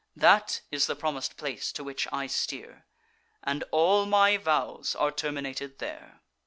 That is the promis'd place to which I steer, And all my vows are terminated there.